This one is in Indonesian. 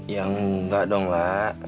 ya enggak dong la